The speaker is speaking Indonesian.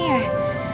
ya ampun ya